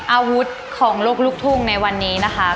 อาวุธของโลกลูกทุ่งในวันนี้นะคะ